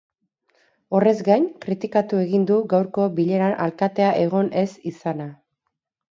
Horrez gain, kritikatu egin du gaurko bileran alkatea egon ez izana.